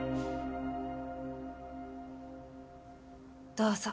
どうぞ。